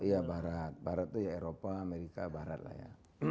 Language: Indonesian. iya barat barat itu ya eropa amerika barat lah ya